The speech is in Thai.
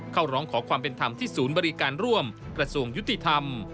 เข้าร้องขอความเป็นธรรมที่ศูนย์บริการร่วมกระทรวงยุติธรรม